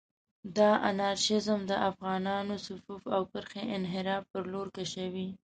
دا انارشېزم د افغانانانو صفوف او کرښې انحراف پر لور کشوي.